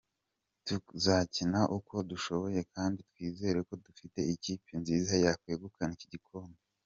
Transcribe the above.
Tuzakina uko dushoboye kandi twizera ko dufite ikipe nziza yakwegukana igikombe.